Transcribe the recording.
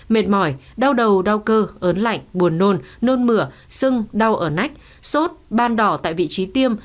mệt mỏi đau đầu đau cơ ớn lạnh buồn nôn nôn mửa sưng đau ở nách sốt ban đỏ tại vị trí tiêm